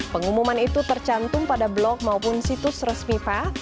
pengumuman itu tercantum pada blog maupun situs resmi fa